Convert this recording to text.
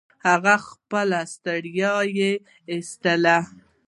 هغه خپله ستړيا يې و ايستله.